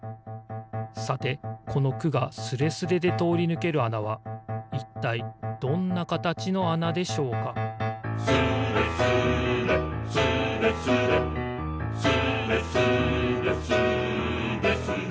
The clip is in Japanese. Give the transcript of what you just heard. さてこの「く」がスレスレでとおりぬけるあなはいったいどんなかたちのあなでしょうか「スレスレスレスレ」「スレスレスーレスレ」